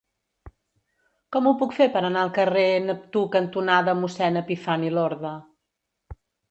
Com ho puc fer per anar al carrer Neptú cantonada Mossèn Epifani Lorda?